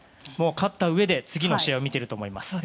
勝ったうえで次の試合を見ていると思います。